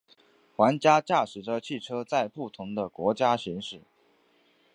玩家驾驶着汽车在不同的国家行驶。